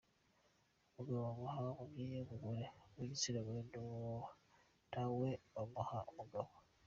Umugabo bamuha umubyinnyi w’umugore, uw’igitsinagore na we bakamuha umugabo.